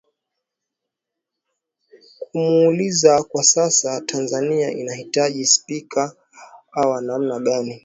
kumuuliza kwa sasa tanzania inahitaji spika wa namna gani